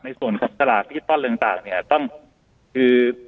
ในส่วนของสหราฯพิธีต้อนเรื่องต่างนี่ต้องคือ